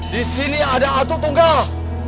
di sini ada atutunggal